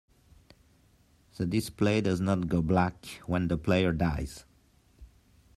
The display does not go black when the player dies.